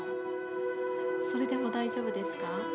それでも大丈夫ですか？